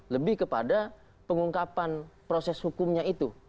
lebih kepada pengungkapan proses hukumnya itu